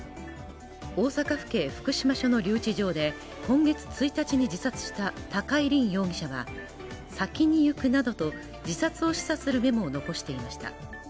大阪府警福島署の留置場で今月１日に自殺した高井凜容疑者は、先に逝くなどと自殺を示唆するメモを残していました。